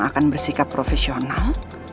aku akan bersikap profesional